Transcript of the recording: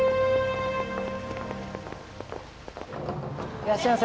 いらっしゃいませ。